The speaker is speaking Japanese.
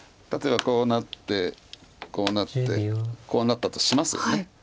例えばこうなってこうなってこうなったとしますよね。